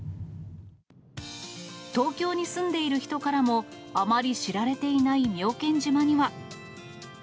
東京に住んでいる人からも、あまり知られていない妙見島には。